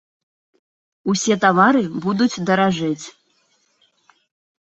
Усе тавары будуць даражэць.